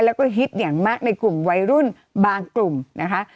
แล้วก็ฮิตอย่างมากในกลุ่มวัยรุ่นบางกลุ่มนะคะ